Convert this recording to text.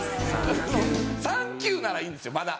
「サンキュー」ならいいんですよまだ。